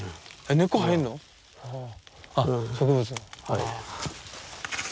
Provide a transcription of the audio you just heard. はい。